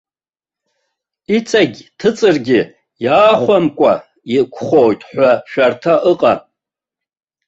Иҵегь ҭыҵыргьы иаахәамкәа иқәхоит ҳәа шәарҭа ыҟам.